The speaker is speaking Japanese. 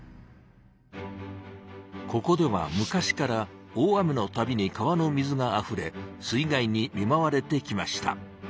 ここでは昔から大雨のたびに川の水があふれ水害に見まわれてきました。